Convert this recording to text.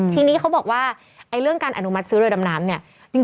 ทีนี้เขาบอกว่าเรื่องการอนุมัติซื้อเรือดำน้ำเนี่ย